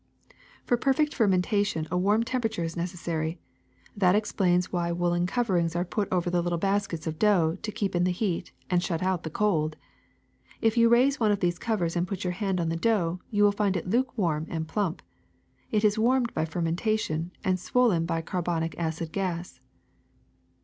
*^For perfect fermentation a warm temperature is necessary. That explains why woolen coverings are put over the little baskets of dough to keep in the heat and ::hut out the cold. If you raise one of these covers and put your hand on the dough you will find it lukewarm and plump. It is warmed by fermentation and swollen by carbonic acid gas.